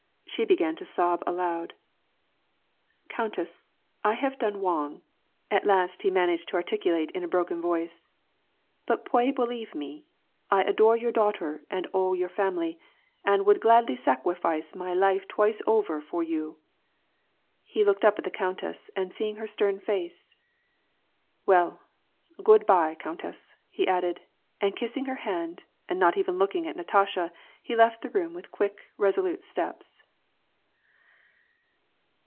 She began to sob aloud. " Countess, I have done w'ong," at last he managed to artic WAR AND PEACE. 65 ulate in a broken voice. " But pway believe me, I adore your (laughter and all your family, and I would gladly sacwifice my life twice over for you." He looked up at the countess, and seeing her stern face, "Well, good by countess," he added, and kissing her hand and not even looking at Natasha^ he left the room with quick, resolute steps.